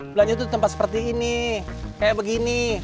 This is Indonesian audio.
belanja itu tempat seperti ini kayak begini